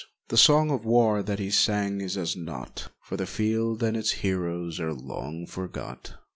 The song of war that he sang is as naught, For the field and its heroes are long forgot.